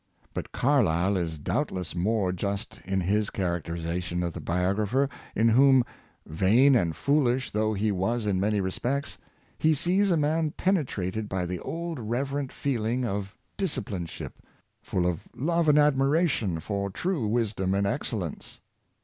But Carlyle is doubtless more just in his characterization of the biographer, in whom — vain and foolish though he was in many respects — he sees a man penetrated by the old reverent feeling of discipleship, full of love and admiration for true wisdom and excel lence.